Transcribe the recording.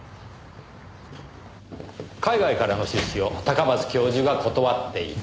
海外からの出資を高松教授が断っていた。